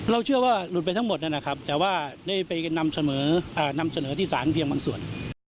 เชื่อว่าหลุดไปทั้งหมดนะครับแต่ว่าได้ไปนำเสนอนำเสนอที่สารเพียงบางส่วน